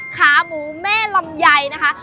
ขาหมูแม่ลำไยนะคะ